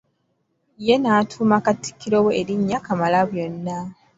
Ye n'atuuma Katikkiro we erinnya Kamalabyonna.